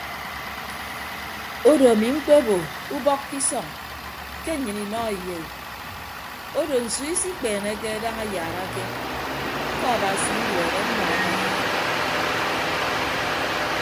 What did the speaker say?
Odo ami mkpebo ubọk ke isọñ ke nnyịn inọ eyei odo nsu isikpeeneke daña ayaarake ñkọ abasi nduehe mmọọ aba.